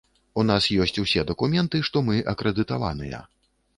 У нас ёсць усе дакументы, што мы акрэдытаваныя.